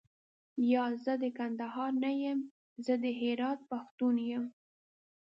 یا، زه د کندهار نه یم زه د هرات پښتون یم.